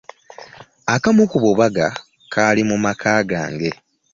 Akamu ku bubaga kaali mu maka gange.